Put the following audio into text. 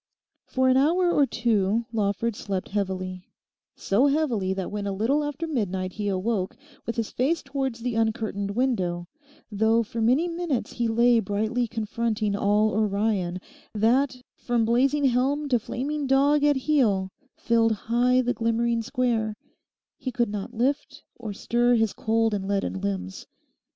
For an hour or two Lawford slept heavily, so heavily that when a little after midnight he awoke, with his face towards the uncurtained window, though for many minutes he lay brightly confronting all Orion, that from blazing helm to flaming dog at heel filled high the glimmering square, he could not lift or stir his cold and leaden limbs.